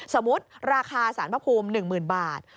สมมุติราคาสารพระภูมิ๑๐๐๐บาท